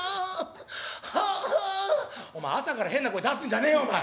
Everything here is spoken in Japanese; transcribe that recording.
「お前朝から変な声出すんじゃねえよお前」。